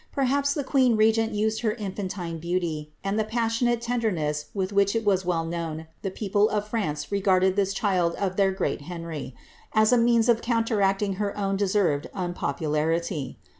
Perhaps the queen regent used her infantine beauty, and Uie passionate tendeiv ness with which it was well known the people of France regarded this child of their great Henry, as a means of counteracting her own deserved unpopularity.